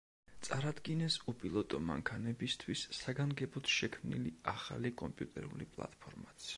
წარადგინეს უპილოტო მანქანებისთვის საგანგებოდ შექმნილი ახალი კომპიუტერული პლატფორმაც.